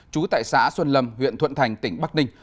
trú tại xã xuân lâm huyện thuận thành tỉnh bắc ninh